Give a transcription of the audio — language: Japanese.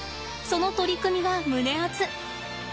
その取り組みが胸アツ。